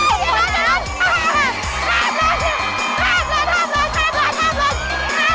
ออประตอร่องฟองทำได้๑๓๐กรัมนะคะ